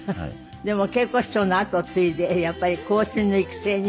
でも桂子師匠の後を継いでやっぱり後進の育成に。